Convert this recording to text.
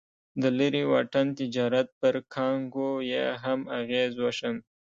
د لرې واټن تجارت پر کانګو یې هم اغېز وښند.